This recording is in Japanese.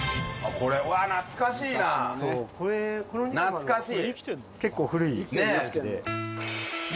懐かしい。